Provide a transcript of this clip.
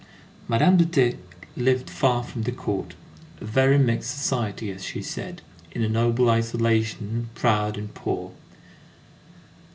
Madame de T. lived far from the Court; "a very mixed society," as she said, in a noble isolation, proud and poor.